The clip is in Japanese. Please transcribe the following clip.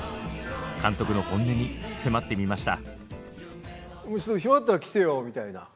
監督の本音に迫ってみました。